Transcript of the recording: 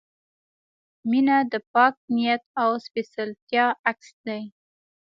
• مینه د پاک نیت او سپېڅلتیا عکس دی.